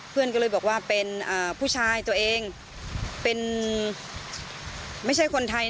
เพื่อนก็เลยบอกว่าเป็นผู้ชายตัวเองเป็นไม่ใช่คนไทย